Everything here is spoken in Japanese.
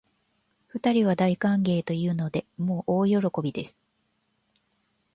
二人は大歓迎というので、もう大喜びです